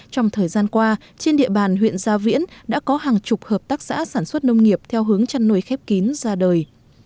trong thời gian qua trên địa bàn huyện gia viễn đã có hàng chục hợp tác xã sản xuất nông nghiệp theo hướng chăn nuôi khép kín ra đời